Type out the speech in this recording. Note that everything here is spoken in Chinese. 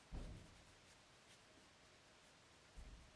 安陆话是黄孝片方言在安陆的子方言。